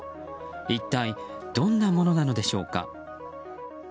一体どんなものなのでしょうか。